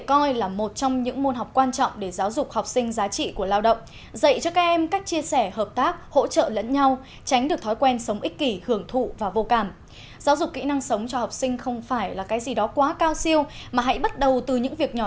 cô cũng hỏi con là sao con không sao không có ý kiến